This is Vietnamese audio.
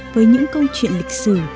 với những câu chuyện lịch sử